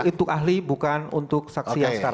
itu ahli bukan untuk saksi yang sekarang